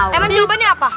memang jawabannya apa